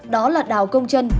đó là đào công trân